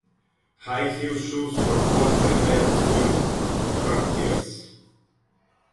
High-heel shoes were worn by men and women courtiers.